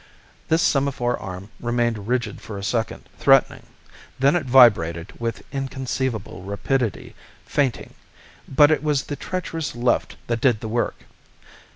This semaphore arm remained rigid for a second, threatening; then it vibrated with inconceivable rapidity, feinting. But it was the treacherous left that did the work.